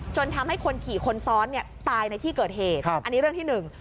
จนทำให้คนขี่คนซ้อนเนี่ยตายในที่เกิดเหตุอันนี้เรื่องที่หนึ่ง